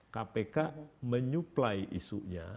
kpk menyuplai isunya